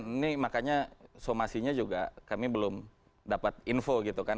ini makanya somasinya juga kami belum dapat info gitu kan